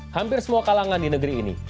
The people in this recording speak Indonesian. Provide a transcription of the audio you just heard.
hampir semua kalangan di negeri ini